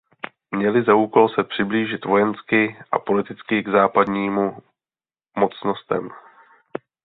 Měly za úkol se přiblížit vojensky a politicky k západnímu mocnostem.